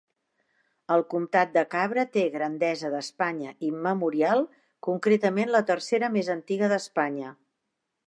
El Comtat de Cabra té Grandesa d'Espanya Immemorial, concretament la tercera més antiga d'Espanya.